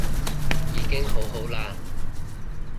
已經好好啦